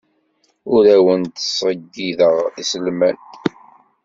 Ur awen-d-ttṣeyyideɣ iselman.